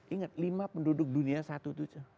ingat lima penduduk dunia satu itu saja